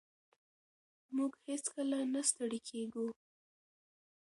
موږ هېڅکله نه ستړي کېږو.